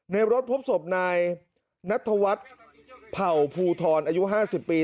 ในรถพบศพนายนัทวัฒน์เผ่าภูทรอายุ๕๐ปี